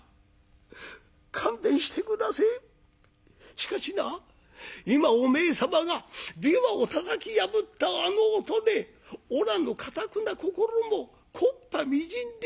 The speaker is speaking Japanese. しかしな今お前様が琵琶をたたき破ったあの音でおらのかたくな心も木っ端みじんに砕けましたぞ。